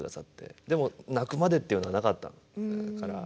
でも泣くまでっていうのはなかったから。